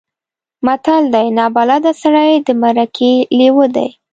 متل دی: نابلده سړی د مرکې لېوه دی.